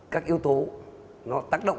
các yếu tố nó tác động